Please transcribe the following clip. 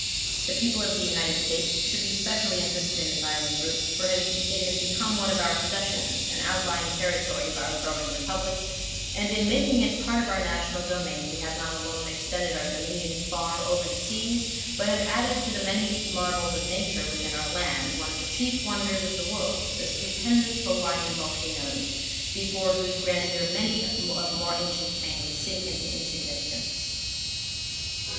The people of the United States should be specially interested in this island group, for it has become one of our possessions, an outlying Territory of our growing Republic, and in making it part of our national domain we have not alone extended our dominion far over the seas, but have added to the many marvels of nature within our land one of the chief wonders of the world, the stupendous Hawaiian volcanoes, before whose grandeur many of more ancient fame sink into insignificance.